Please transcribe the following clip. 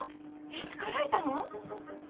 いつからいたの？